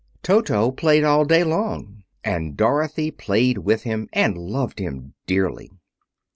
Toto played all day long, and Dorothy played with him, and loved him dearly.